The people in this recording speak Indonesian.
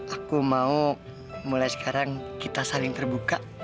aku mau mulai sekarang kita saling terbuka